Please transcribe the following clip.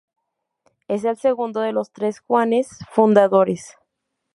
Es el segundo de los tres Juanes fundadores.